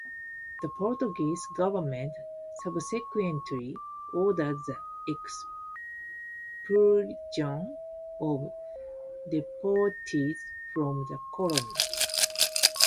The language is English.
The Portuguese government subsequently ordered the expulsion of deportees from the colony.